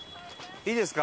いいですか？